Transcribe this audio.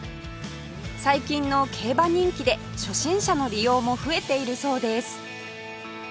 最近の競馬人気で初心者の利用も増えているそうです